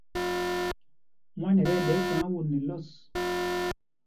Mwân ɛ tí ɛɗɛ vyǎŋ won nɛ lɔs.